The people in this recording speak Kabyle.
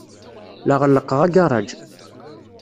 La ɣellqeɣ agaṛaj.